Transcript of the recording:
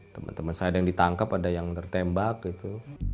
teman teman saya ada yang ditangkap ada yang tertembak gitu